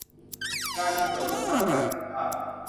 การมีส่วนร่วมสร้างประสิทธภาพ